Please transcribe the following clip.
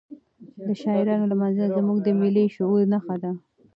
د شاعرانو لمانځنه زموږ د ملي شعور نښه ده.